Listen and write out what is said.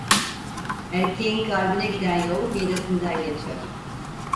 Erkeğin kalbine giden yol midesinden geçer.